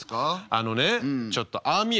あのねちょっとああ見えて。